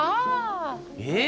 えっ？